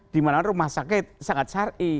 di mana rumah sakit sangat syari